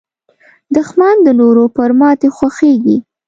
دښمن د نورو پر ماتې خوښېږي